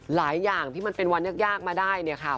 หลายอย่างที่มันเป็นวันยากมาได้เนี่ยค่ะ